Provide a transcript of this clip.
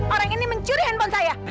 orang ini mencuri handphone saya